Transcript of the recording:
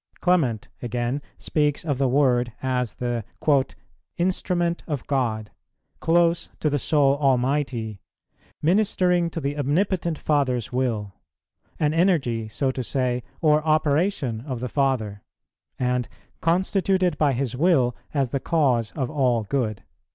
Clement, again, speaks of the Word[135:2] as the "Instrument of God," "close to the Sole Almighty;" "ministering to the Omnipotent Father's will;"[135:3] "an energy, so to say, or operation of the Father," and "constituted by His will as the cause of all good."